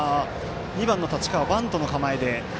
２番の太刀川バントの構え。